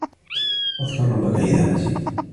اذكر ربك اذا نسيت.